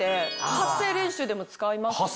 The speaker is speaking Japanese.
発声練習でも使いますし。